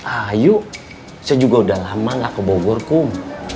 ah yuk ce juga udah lama gak ke bogor kum